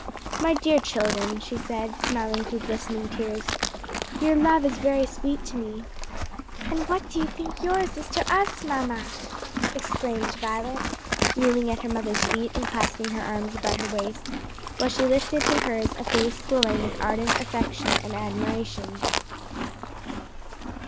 "My dear children," she said, smiling through glistening tears, "your love is very sweet to me!" "And what do you think yours is to us, mamma?" exclaimed Violet, kneeling at her mother's feet and clasping her arms about her waist, while she lifted to hers a face glowing with ardent affection and admiration.